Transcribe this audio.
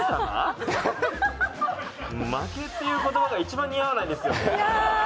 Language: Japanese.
負けって言葉が一番似合わないんですよ。